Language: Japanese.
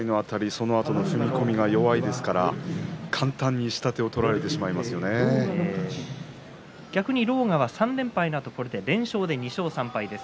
そのあとの踏み込みが弱いですから簡単に逆に狼雅は３連敗のあと連勝で２勝３敗です。